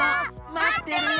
まってるよ！